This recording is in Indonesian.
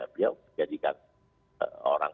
beliau jadikan orang